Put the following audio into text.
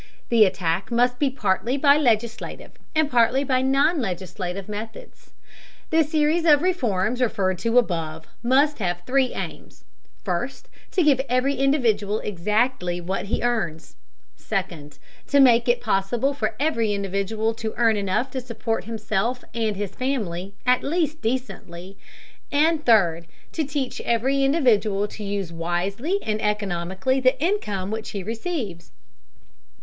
The attack must be partly by legislative, and partly by non legislative methods. The series of reforms referred to above must have three aims: first, to give every individual exactly what he earns; second, to make it possible for every individual to earn enough to support himself and his family at least decently; and third, to teach every individual to use wisely and economically the income which he receives.